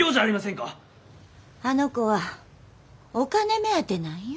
あの子はお金目当てなんよ。